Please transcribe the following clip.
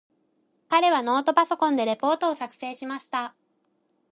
彼はノートパソコンでレポートを作成しました。